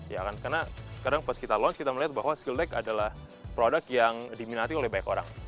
ya kan karena sekarang pas kita launch kita melihat bahwa skillback adalah produk yang diminati oleh banyak orang